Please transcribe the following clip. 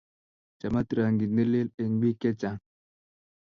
Chamat rangit ne lel eng' biik che chang'